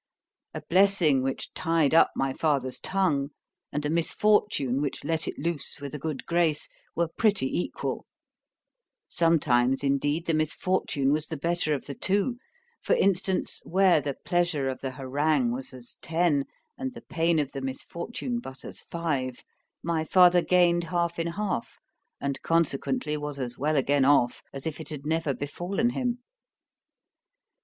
—A blessing which tied up my father's tongue, and a misfortune which let it loose with a good grace, were pretty equal: sometimes, indeed, the misfortune was the better of the two; for instance, where the pleasure of the harangue was as ten, and the pain of the misfortune but as five—my father gained half in half, and consequently was as well again off, as if it had never befallen him.